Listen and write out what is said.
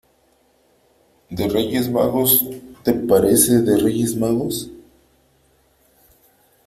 de Reyes Magos ,¿ te parece ? de Reyes Magos .